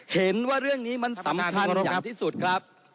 เห็นว่าเรื่องนี้มันสำคัญอย่างที่สุดครับ